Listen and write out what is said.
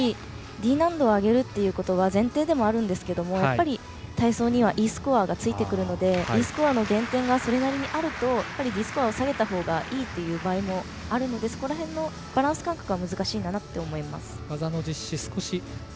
やはり、Ｄ難度を上げるっていうことは前提でもあるんですがやはり体操にはＥスコアがついてくるのでＥスコアの減点がそれなりにあるとやっぱりＤスコアを下げたほうがいいという場合もあるのでその辺りのバランス感覚は難しいと思います。